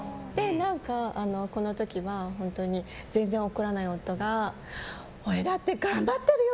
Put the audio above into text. この時は本当に全然怒らない夫が俺だって頑張ってるよ！